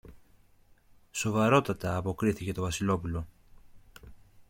Σοβαρότατα, αποκρίθηκε το Βασιλόπουλο.